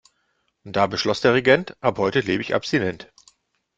Und da beschloss der Regent: Ab heute lebe ich abstinent.